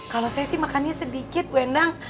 kalau saya sih makannya sedikit bu endang